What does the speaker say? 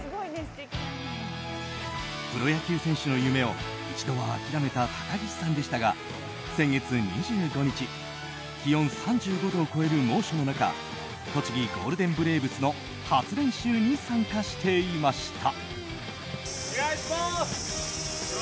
プロ野球選手の夢を一度は諦めた高岸さんでしたが先月２５日気温３５度を超える猛暑の中栃木ゴールデンブレーブスの初練習に参加していました。